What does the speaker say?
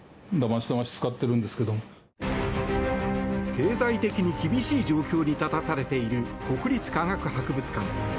経済的に厳しい状況に立たされている国立科学博物館。